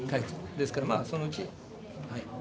ですからまあそのうち。